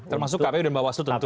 termasuk kpu dan bawaslu tentunya